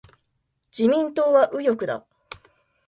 自民党は右翼だ。